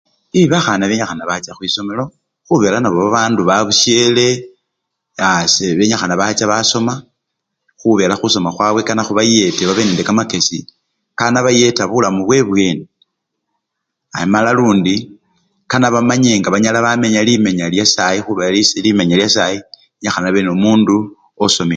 E! bakhana benyikhana bacha khwisomelo khubela nao baba babandu babusyele sebenyikhana bacha basoma khubela khusoma khwabwe kene khubayete babe nekamakesi kakabayeta bulamu bwebweni amala lundu kane bamanye nga bamenya limenya lyasayi khubela limenya lya sayi lyenyikhana obenomundu osomile.